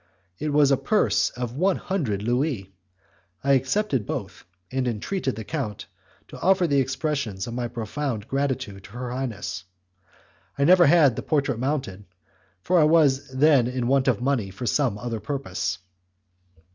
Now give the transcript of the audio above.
It was a purse of one hundred Louis. I accepted both, and entreated the count to offer the expressions of my profound gratitude to her highness. I never had the portrait mounted, for I was then in want of money for some other purpose.